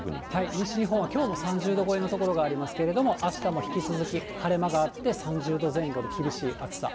西日本はきょうも３０度超えの所がありますけれども、あしたも引き続き、晴れ間があって、３０度前後で厳しい暑さ。